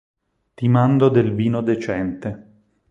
Ti mando del vino decente.